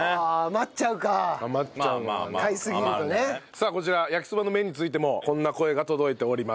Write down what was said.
さあこちら焼きそばの麺についてもこんな声が届いております。